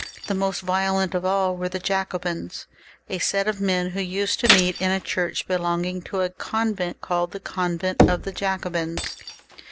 The most violent of all were the Jacobins, a set of men who used to meet in a church belonging to a convent called the Convent of the Jacobins.